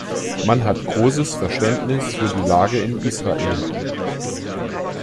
Man hat großes Verständnis für die Lage in Israel.